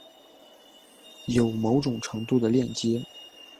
有某种程度的链接